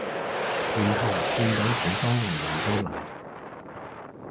然後見到好多藝人都奶